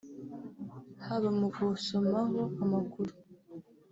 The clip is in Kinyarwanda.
haba mu gusomaho amakuru